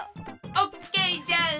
オッケーじゃ！